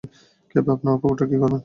Cap, আপনার কুকুরটার কী করবেন?